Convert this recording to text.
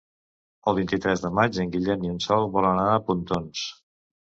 El vint-i-tres de maig en Guillem i en Sol volen anar a Pontons.